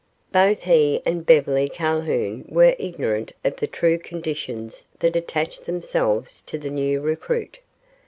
Both he and Beverly Calhoun were ignorant of the true conditions that attached themselves to the new recruit.